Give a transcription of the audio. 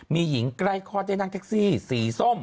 มีหญิงใกล้คลอดได้นั่งแท็กซี่สีส้ม